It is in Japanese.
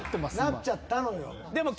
なっちゃったのよ。